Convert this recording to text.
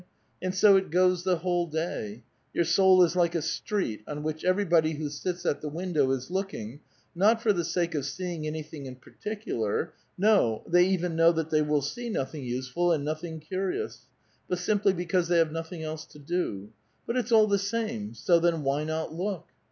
And so it goes the whole day. Your soul is like a street, on which everybody who sits at the win dow is looking, not for the sake of seeing anything in partic ular, — no, they even know that they will see nothing useful and nothing curious, — but simply because they have nothing else to do. But it's all the same ; so, then, why not look